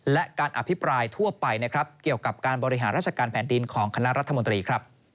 และการอภิปรายทั่วไปนะครับเกี่ยวกับการบริหารราชการแผ่นดินของคณะรัฐมนตรีครับ